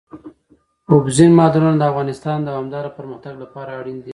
اوبزین معدنونه د افغانستان د دوامداره پرمختګ لپاره اړین دي.